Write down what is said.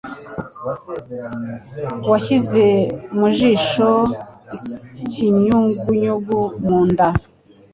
Wanshyize mu jisho, ikinyugunyugu mu nda,